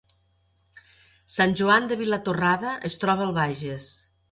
Sant Joan de Vilatorrada es troba al Bages